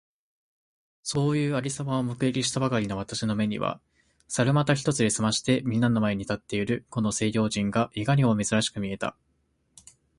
そういう有様を目撃したばかりの私の眼めには、猿股一つで済まして皆みんなの前に立っているこの西洋人がいかにも珍しく見えた。